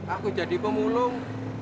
aku jadi pemulung